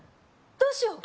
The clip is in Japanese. どうしよう